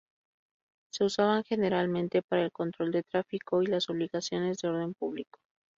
Se usaban generalmente para el control de tráfico y las obligaciones de orden público.